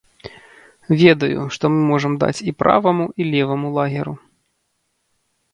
Ведаю, што мы можам даць і праваму, і леваму лагеру.